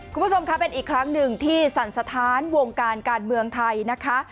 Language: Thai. คุณผู้ชมค่ะเป็นอีกครั้งหนึ่งที่สั่นสะท้านวงการการเมืองไทยนะคะ